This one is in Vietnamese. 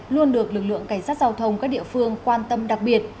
luôn được lực lượng cảnh sát giao thông các địa phương quan tâm đặc biệt